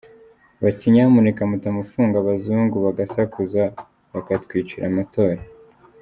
Bati ‘Nyamuneka’ mutamufunga abazungu bagasakuza bikatwicira amatora.